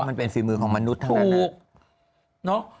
มันเป็นฝีมือของมนุษย์ทั้งนั้น